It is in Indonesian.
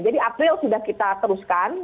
jadi april sudah kita teruskan